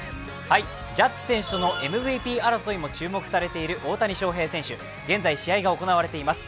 ジャッジ選手とのＭＶＰ争いも注目されている大谷翔平選手、現在、試合が行われています。